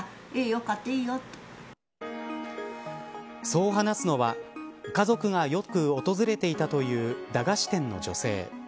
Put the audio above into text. そう話すのは家族がよく訪れていたという駄菓子店の女性。